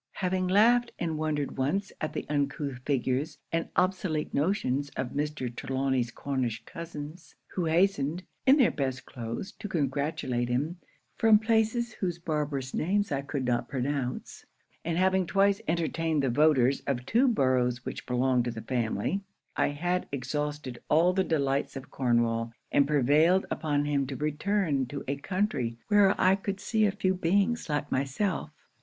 Having laughed and wondered once at the uncouth figures and obsolete notions of Mr. Trelawny's Cornish cousins, who hastened, in their best cloaths, to congratulate him, from places whose barbarous names I could not pronounce and having twice entertained the voters of two boroughs which belonged to the family; I had exhausted all the delights of Cornwall, and prevailed on him to return to a country where I could see a few beings like myself.